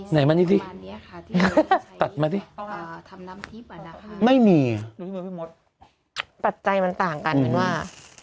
ไหนมานี่ดิตัดมาดิอ่าไม่มีปัจจัยมันต่างกันเหมือนว่า